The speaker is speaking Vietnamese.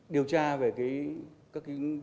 điều tra về cái